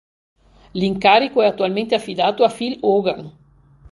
L'incarico è attualmente affidato a Phil Hogan.